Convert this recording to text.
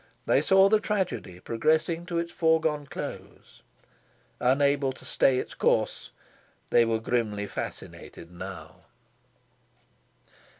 They saw the tragedy progressing to its foreseen close. Unable to stay its course, they were grimly fascinated now.